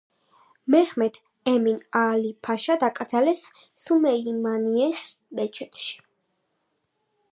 მეჰმედ ემინ აალი-ფაშა დაკრძალეს სულეიმანიეს მეჩეთში.